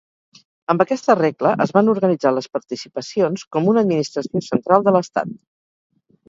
Amb aquesta regla es van organitzar les participacions com una administració central de l'estat.